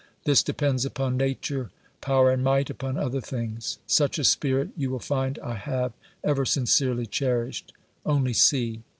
This depends upon nature; power and might upon other things. Such a spirit, you will find, I have ever sincerely cherished. Only see.